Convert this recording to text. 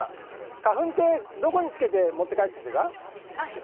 花粉ってどこに付けて持って帰って来てた？